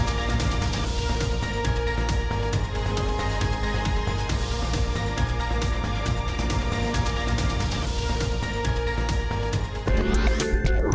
โปรดติดตามตอนต่อไป